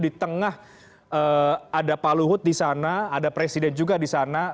di tengah ada pak luhut di sana ada presiden juga di sana